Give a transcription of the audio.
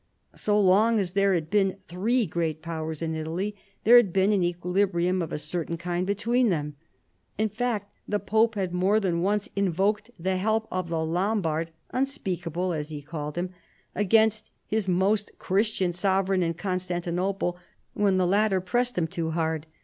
So long as there had been three great powers in Italy there had been an equilibrium of a certain kind between them. In fact, the pope had more than once invoked the help of the Lombard, " unspeakable " as he called him, against his " most Chi'istian " sovereign in Constantinople, when the latter pressed him too Ijard.